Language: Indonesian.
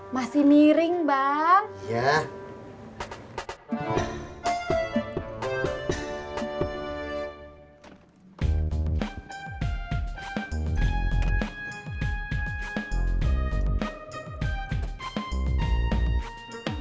masih miring bang